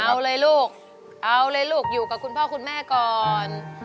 เอาเลยลูกเอาเลยลูกอยู่กับคุณพ่อคุณแม่ก่อน